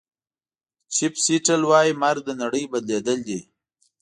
چیف سیټل وایي مرګ د نړۍ بدلېدل دي.